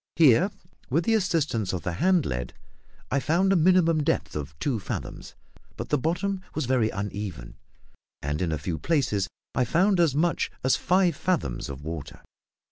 Here, with the assistance of the hand lead, I found a minimum depth of two fathoms; but the bottom was very uneven, and in a few places I found as much as five fathoms of water.